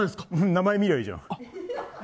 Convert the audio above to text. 名前見りゃいいじゃん。